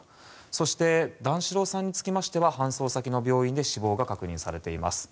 そして段四郎さんは搬送先の病院で死亡が確認されています。